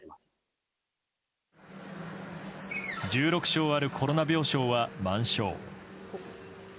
１６床あるコロナ病床は満床。